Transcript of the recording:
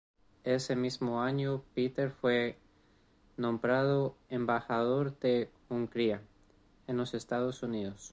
Ese mismo año, Peter fue nombrado embajador de Hungría en los Estados Unidos.